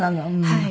はい。